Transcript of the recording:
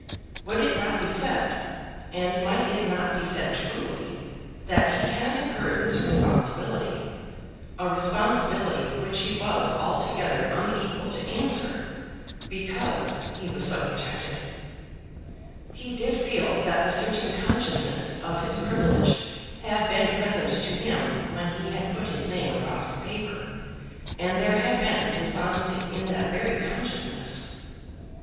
Would it not be said, and might it not be said truly, that he had incurred this responsibility, a responsibility which he was altogether unequal to answer, because he was so protected? He did feel that a certain consciousness of his privilege had been present to him when he had put his name across the paper, and there had been dishonesty in that very consciousness.